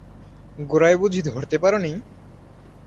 গোড়ায় বুঝি ধরতে পারো নি?